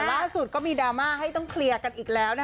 ล่าสุดก็มีดราม่าให้ต้องเคลียร์กันอีกแล้ว